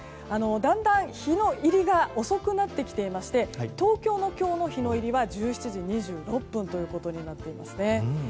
だんだん日の入りが遅くなってきていまして東京の今日の日の入りは１７時２６分となっています。